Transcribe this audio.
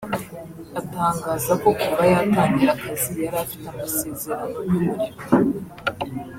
Atangaza ko kuva yatangira akazi yari afite amasezerano y’umurimo